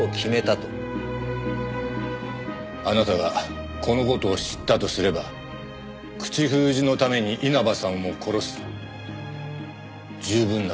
あなたがこの事を知ったとすれば口封じのために稲葉さんを殺す十分な動機ですよね？